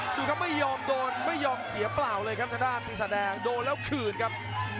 ดูครับไม่ยอมโดนไม่ยอมเสียเปล่าเลยครับทางด้านปีศาจแดงโดนแล้วคืนครับ